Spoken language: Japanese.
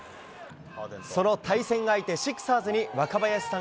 その対戦相手、シクサーズに、若林さん